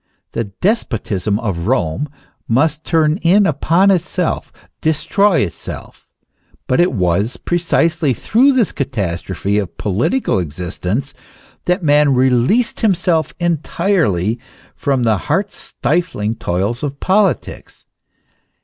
The despotism of Rome must turn in upon itself, destroy itself. But it was precisely through this catastrophe of political existence that man released himself entirely from the heart stifling toils of politics.